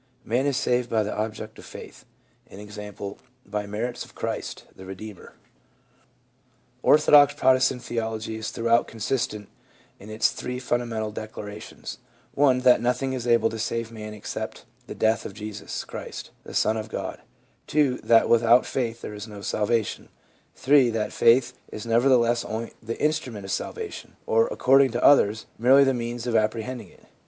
Man is saved by the " object of faith," i. e., by the merits of Christ, the Eedeemer. Orthodox Protestant theology is throughout consistent in its three fundamental declarations: (1) that nothing is able to save man except the death of Jesus Christ, the Son of God, (2) that without faith there is no salvation, (3) that faith is nevertheless only the instrument of salvation, or according to others, merely the means of apprehending it.